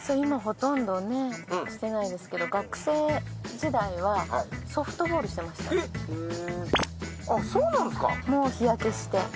今ほとんどねしてないですけど学生時代はソフトボールしてました。